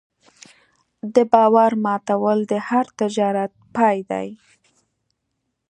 د باور ماتول د هر تجارت پای دی.